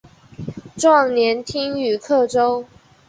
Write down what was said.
壮年听雨客舟中。